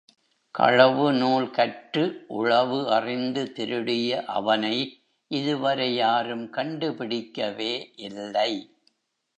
களவு நூல் கற்று உளவு அறிந்து திருடிய அவனை இதுவரை யாரும் கண்டு பிடிக்கவே இல்லை.